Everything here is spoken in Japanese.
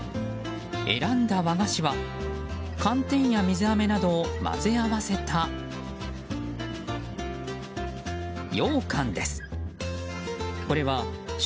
選んだ和菓子は寒天や水あめなどを混ぜ合わせたようかんです。